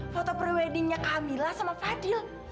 foto pre weddingnya kamila sama fadil